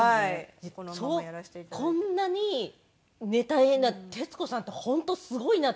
こんなにねっ大変な徹子さんって本当すごいなと。